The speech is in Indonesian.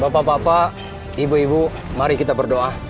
bapak bapak ibu ibu mari kita berdoa